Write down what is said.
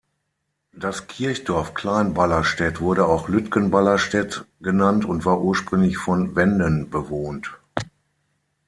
Das Kirchdorf Klein Ballerstedt wurde auch Lütgen-Ballerstedt genannt und war ursprünglich von Wenden bewohnt.